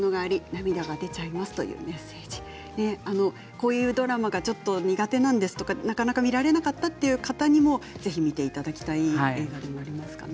こういうドラマが苦手なんです、なかなか見られなかったという方にもぜひ見ていただきたい映画でもありますかね。